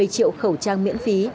một mươi triệu khẩu trang miễn phí